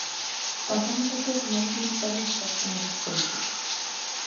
Pasamos a ser máis militaristas e menos políticos.